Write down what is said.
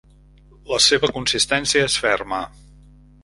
La seva consistència és ferma.